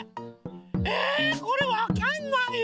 えこれわかんないよ！